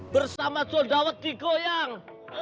bersama jodawat di goyang